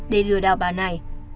để lừa đào bà này